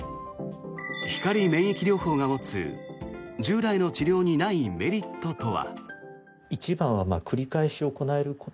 光免疫療法が持つ従来の治療にないメリットとは。